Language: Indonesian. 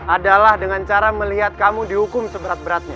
adalah dengan cara melihat kamu dihukum seberat beratnya